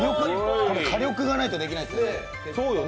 火力がないとできない。